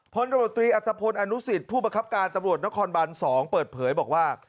พลตำรวจตรีอัตภพลอนุสิตผู้ประคับการตำรวจนครบัน๒เปิดเผยบอกว่า